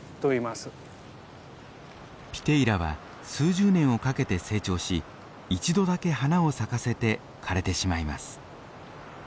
ピテイラは数十年をかけて成長し一度だけ花を咲かせて枯れてしまいます。